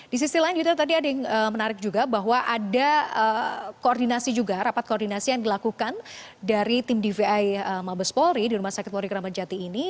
di sisi lain juga tadi ada yang menarik juga bahwa ada koordinasi juga rapat koordinasi yang dilakukan dari tim dvi mabes polri di rumah sakit polri kramat jati ini